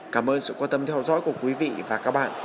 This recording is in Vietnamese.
cảm ơn sự quan tâm theo dõi của quý vị và các bạn